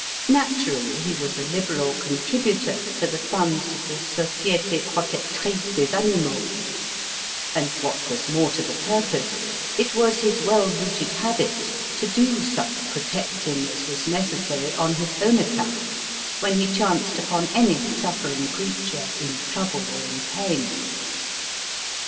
Naturally, he was a liberal contributor to the funds of the Société protectrice des animaux; and, what was more to the purpose, it was his well rooted habit to do such protecting as was necessary, on his own account, when he chanced upon any suffering creature in trouble or in pain.